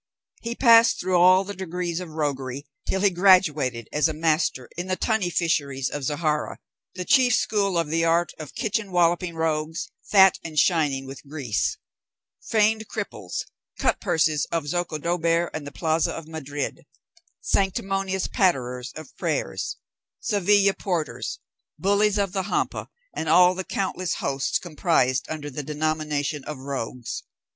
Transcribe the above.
He passed through all the degrees of roguery till he graduated as a master in the tunny fisheries of Zahara, the chief school of the art. O kitchen walloping rogues, fat and shining with grease; feigned cripples; cutpurses of Zocodober and of the Plaza of Madrid; sanctimonious patterers of prayers; Seville porters; bullies of the Hampa, and all the countless host comprised under the denomination of rogues!